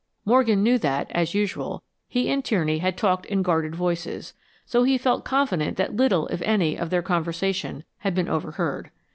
Morgan knew that, as usual, he and Tierney had talked in guarded voices, so he felt confident that little, if any, of their conversation had been overheard.